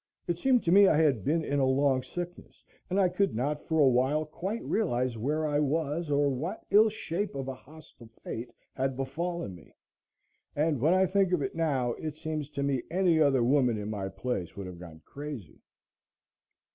It seemed to me I had been in a long sickness and I could not for a while quite realize where I was or what ill shape of a hostile fate had befallen me. And, when I think of it now, it seems to me any other woman in my place would have gone crazy.